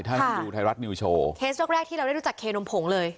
ท่านดูไทยรัฐนิวโชว์เคสยกแรกที่เราได้รู้จักเคนมผงเลย